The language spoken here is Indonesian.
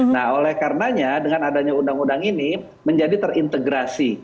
nah oleh karenanya dengan adanya undang undang ini menjadi terintegrasi